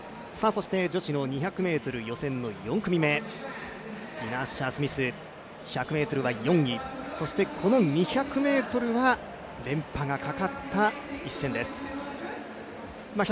女子の２００ｍ予選の４組目は、ディナ・アッシャー・スミス、１００ｍは４位、この２００ｍは連覇がかかった一戦です。